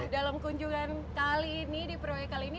dalam kunjungan kali ini di proyek kali ini